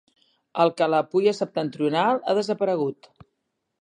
El Kalapuya septentrional ha desaparegut.